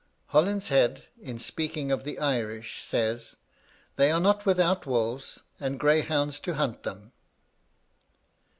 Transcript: Holinshed, in speaking of the Irish, says, 'They are not without wolves, and greyhounds to hunt them.'